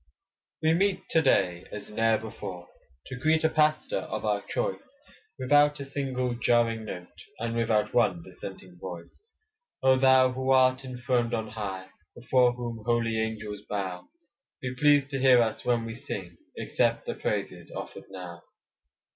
We meet to day as ne'er before, To greet a pastor of our choice, Without a single jarring note, And without one dissenting voice. Oh thou who art enthroned on high, Before whom holy angels bow, Be pleased to hear us when we sing, Accept the praises offered now.